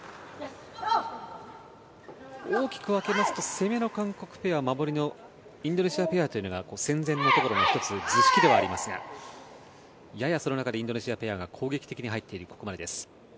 大きく分けますと攻めの韓国ペア守りのインドネシアペアというのが戦前のところの１つ、図式ではありますがややその中でインドネシアペアが攻撃的に入っているここまでです。